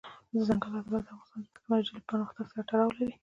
دځنګل حاصلات د افغانستان د تکنالوژۍ له پرمختګ سره تړاو لري.